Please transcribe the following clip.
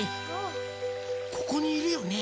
ここにいるよね？